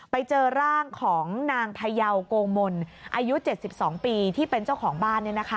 ไปเจอร่างของนางพยาวโกมลอายุ๗๒ปีที่เป็นเจ้าของบ้าน